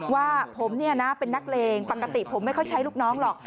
ว่าผมเนี่ยนะเป็นนักเลงปกติผมไม่ค่อยใช้ลูกน้องหรอก